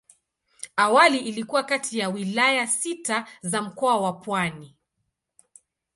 Awali ilikuwa kati ya wilaya sita za Mkoa wa Pwani.